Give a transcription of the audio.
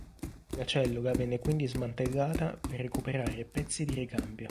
La cellula venne quindi smantellata per recuperare pezzi di ricambio.